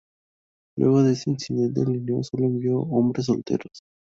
Luego de ese incidente, Linneo solo envió hombres solteros.